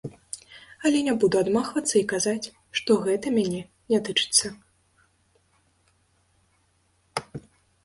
Але не буду адмахвацца і казаць, што мяне гэта не тачыцца.